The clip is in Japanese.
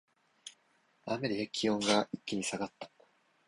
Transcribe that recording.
雨で気温が一気に下がった